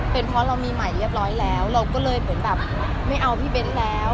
เป็นเพราะเรามีใหม่เรียบร้อยแล้วเราก็เลยเหมือนแบบไม่เอาพี่เบ้นแล้ว